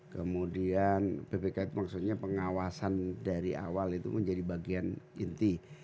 kemudian bpk itu maksudnya pengawasan dari awal itu menjadi bagian inti